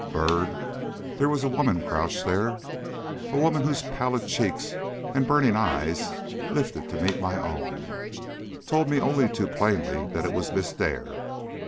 Byrd, there was a woman crouched there a woman whose pallid cheeks and burning eyes lifted to meet my own, told me only too plainly that it was Miss Dare.